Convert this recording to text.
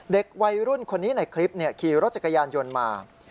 เด็กวัยรุ่นคนนี้ในคลิปขี่รถจักรยานยนต์มา